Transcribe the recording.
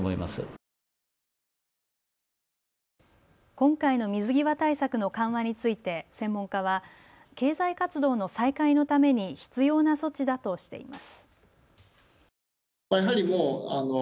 今回の水際対策の緩和について専門家は経済活動の再開のために必要な措置だとしています。